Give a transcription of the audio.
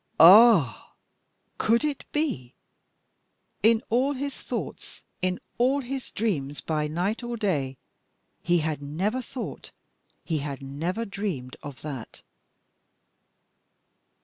Ah! could it be? In all his thoughts, in all his dreams by night or day, he had never thought, he had never dreamed of that.